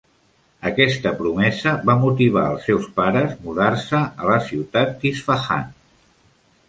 Aquesta promesa va motivar al seus pares a mudar-se a la ciutat d'Isfahan.